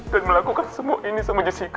dan melakukan semua ini sama jessica